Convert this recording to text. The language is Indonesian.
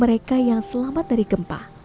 mereka yang selamat dari gempa